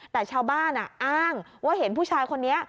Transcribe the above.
แต่ชาวบ้านอ้างว่าเห็นผู้ชายคนนี้